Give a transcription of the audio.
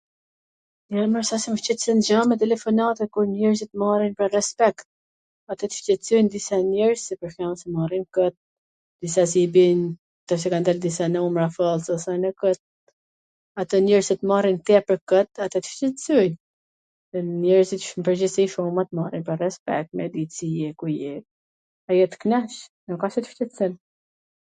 Jo mor se s mw shqetson gja me telefonatat, kur njerzit t marrin pwr respekt. Ato qw shqetsojn disa njerz qw pwr shembull t marrin kot, disa si i bijn tash qw kan dal disa numra fallco se nuk... ato njerz qw t marrin tepwr kot, ata tw shqetsojn, dhe njerzit n pwrgjithsi kshtu t marrin pwr respekt, me pyt ku je, si je, ajo t knaq, nuk asht se tw shqetson.